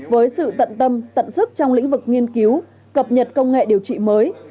với sự tận tâm tận sức trong lĩnh vực nghiên cứu cập nhật công nghệ điều trị mới